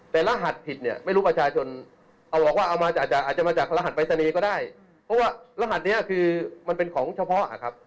แต่รหัสผิดเนี่ยไม่รู้ประชาชนเอาหรอกว่าเอามาจากอาจจะมาจากรหัสปรายศนีย์ก็ได้เพราะว่ารหัสนี้คือมันเป็นของเฉพาะอ่ะครับ